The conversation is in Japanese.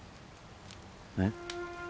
えっ？